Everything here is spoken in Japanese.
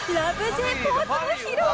Ｊ』ポーズを披露